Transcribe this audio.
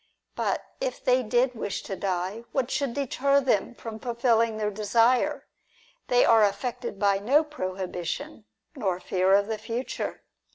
But if they did wish to die, what should deter them from fulfilling their desire ? They are affected by no pro hibition, nor fear of the future.